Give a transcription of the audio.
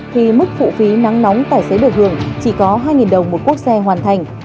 thì mức phụ phí nắng nóng tài xế biểu hường chỉ có hai đồng một quốc xe hoàn thành